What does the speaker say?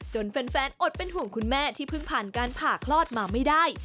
จนแฟนอดเป็นห่วงคุณแม่ที่เพิ่งผ่านการผ่าคลอดมาไม่ได้